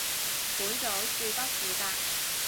本組恕不負責